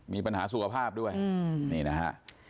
มีปัญหาสุขภาพด้วยนี่นะฮะ